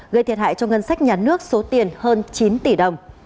gây thiệt hại cho ngân sách nhà nước số tiền hơn chín tỷ đồng